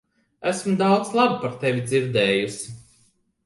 Esmu daudz laba par tevi dzirdējusi.